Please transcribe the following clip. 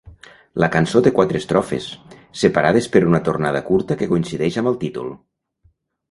La cançó té quatre estrofes, separades per una tornada curta que coincideix amb el títol.